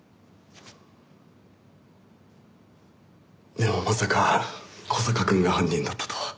でもまさか小坂くんが犯人だったとは。